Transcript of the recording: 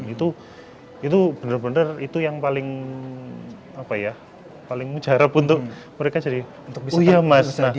itu benar benar itu yang paling apa ya paling mujarab untuk mereka jadi oh iya mas